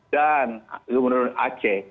dan gubernur aceh